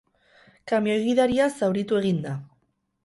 Kamioi gidaria zauritu egin da.